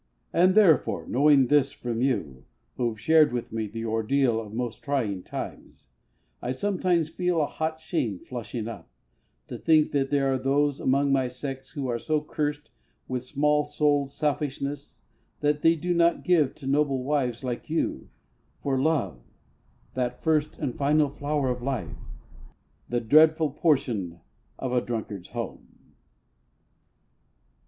And, therefore, knowing this from you, who've shared With me the ordeal of most trying times, I sometimes feel a hot shame flushing up, To think that there are those among my sex Who are so cursed with small souled selfishness That they do give to noble wives like you, For love that first and final flower of life The dreadful portion of a drunkard's home.